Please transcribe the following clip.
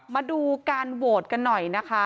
มาดูการโหวตกันหน่อยนะคะ